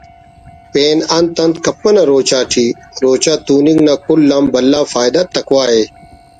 پین انت انت کپنہ روچہ ٹی روچہ توننگ نا کل آن بھلا فائدہ تقویٰ ءِ